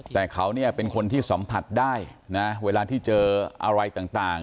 แต่เขาเนี่ยเป็นคนที่สัมผัสได้นะเวลาที่เจออะไรต่าง